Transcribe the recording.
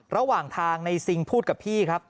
ระหว่างทางในซิงพูดกับพี่ครับ